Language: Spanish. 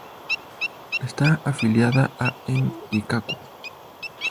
Está afiliada a En-kikaku.